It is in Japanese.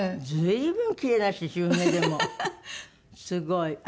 すごい。